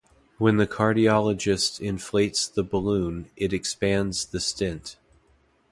When the cardiologist inflates the balloon it expands the stent.